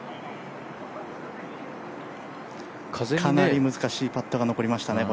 かなり難しいパットが残りましたね。